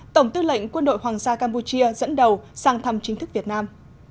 tổng tư lệnh quân đội hoàng gia campuchia dẫn đầu sang thăm chính thức việt nam